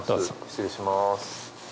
失礼します。